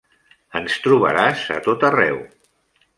Ens trobaràs a tot arreu.